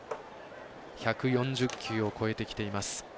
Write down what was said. １４０球を超えてきています。